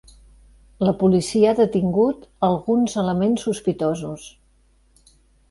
La policia ha detingut alguns elements sospitosos.